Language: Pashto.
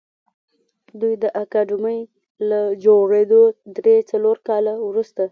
دوی د اکاډمۍ له جوړېدو درې څلور کاله وروسته